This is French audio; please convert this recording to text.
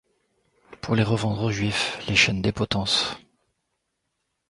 Pour les revendre aux juifs les chaînes des potences ;